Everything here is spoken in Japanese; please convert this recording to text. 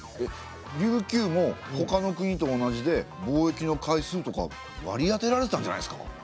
琉球もほかの国と同じで貿易の回数とか割り当てられてたんじゃないですか？